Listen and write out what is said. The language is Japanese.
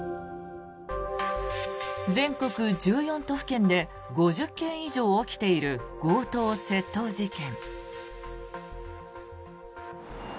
全国１４都府県で５０件以上起きている強盗・窃盗事件。